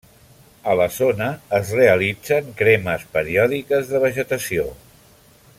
A la zona es realitzen cremes periòdiques de vegetació.